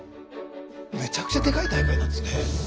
めちゃくちゃでかい大会なんですね。